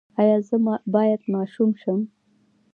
ایا زه باید ماشوم شم؟